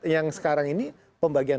yang sekarang ini pembagian